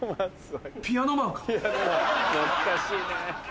ピアノマン懐かしいね。